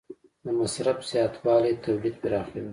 د مصرف زیاتوالی تولید پراخوي.